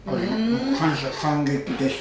感謝感激です！